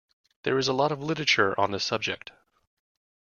There is a lot of Literature on this subject.